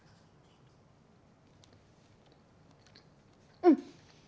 うん！